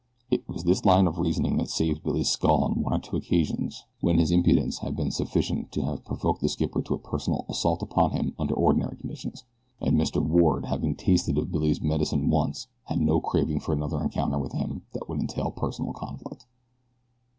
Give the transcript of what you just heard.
It was this line of reasoning that saved Billy's skull on one or two occasions when his impudence had been sufficient to have provoked the skipper to a personal assault upon him under ordinary conditions; and Mr. Ward, having tasted of Billy's medicine once, had no craving for another encounter with him that would entail personal conflict.